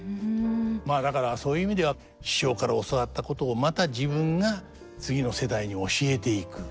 まあだからそういう意味では師匠から教わったことをまた自分が次の世代に教えていく。